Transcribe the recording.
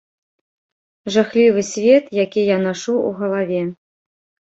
Жахлівы свет, які я нашу ў галаве.